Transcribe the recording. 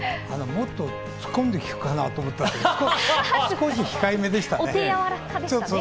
もっと突っ込んで聞くかなと思ったんですけど、控え目でしたね。